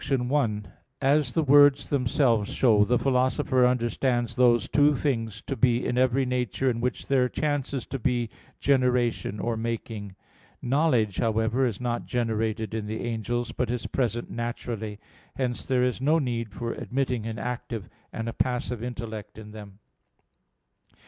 1: As the words themselves show, the Philosopher understands those two things to be in every nature in which there chances to be generation or making. Knowledge, however, is not generated in the angels, but is present naturally. Hence there is no need for admitting an active and a passive intellect in them.